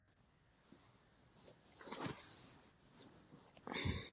Ese año en el torneo local fue subcampeón nacional.